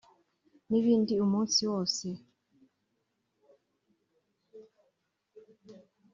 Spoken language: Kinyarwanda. n’ibindi umunsi wose